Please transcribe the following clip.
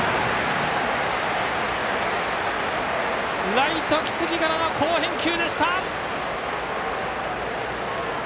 ライト、木次からの好返球！